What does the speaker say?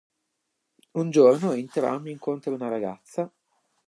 Un giorno, in tram, incontra una ragazza.